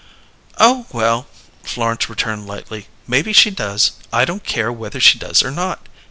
"Oh, well," Florence returned lightly; "maybe she does. I don't care whether she does or not."